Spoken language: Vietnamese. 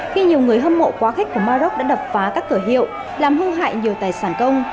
khi nhiều người hâm mộ quá khích của maroc đã đập phá các cửa hiệu làm hư hại nhiều tài sản công